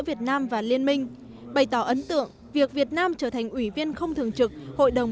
việt nam và liên minh bày tỏ ấn tượng việc việt nam trở thành ủy viên không thường trực hội đồng